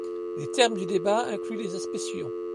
Les termes du débat incluent les aspects suivants.